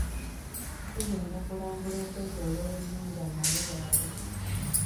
Tugenda kulambula okwetoloola ennyanja Nalubaale.